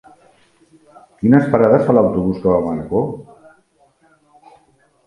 Quines parades fa l'autobús que va a Manacor?